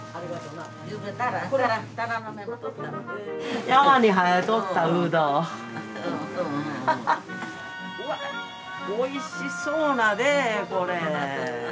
うわっおいしそうなねこれ。